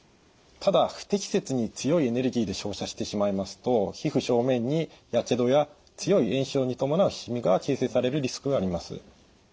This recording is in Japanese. ただ不適切に強いエネルギーで照射してしまいますと皮膚表面にやけどや強い炎症に伴うしみが形成されるリスクがあります。